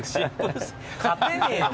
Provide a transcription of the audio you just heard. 勝てねえよ